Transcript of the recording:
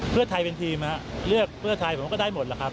เพื่อไทยเป็นทีมเลือกเพื่อไทยผมก็ได้หมดแล้วครับ